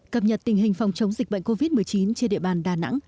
cập nhật tình hình phòng chống dịch bệnh covid một mươi chín trên địa bàn đà nẵng